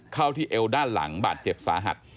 เข้าที่เอวด้านหลังบาดเจ็บสาหัส